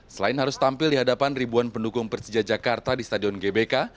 selain harus tampil di hadapan ribuan pendukung persija jakarta di stadion gbk